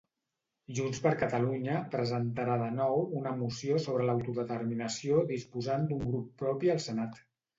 JxCat presentarà de nou una moció sobre l'autodeterminació disposant d'un grup propi al Senat.